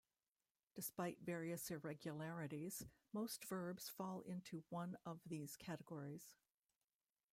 Despite various irregularities, most verbs fall into one of these categories.